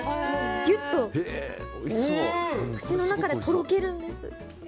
ギュッと口の中でとろけるんです。